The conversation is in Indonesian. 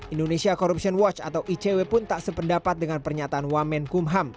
indonesia corruption watch atau icw pun tak sependapat dengan pernyataan wamen kumham